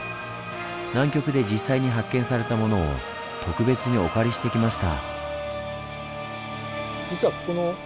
南極で実際に発見されたものを特別にお借りしてきました。